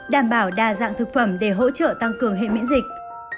đảm bảo đa dạng thực phẩm để hỗ trợ tăng cường hệ miễn dịch